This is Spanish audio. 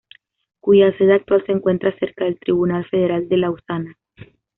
Cuya sede actual se encuentra cerca del Tribunal Federal de Lausana.